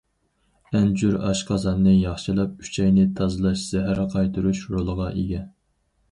ئەنجۈر ئاشقازاننى ياخشىلاپ، ئۈچەينى تازىلاش، زەھەر قايتۇرۇش رولىغا ئىگە.